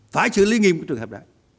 phải xử lý nghiêm trường hợp đại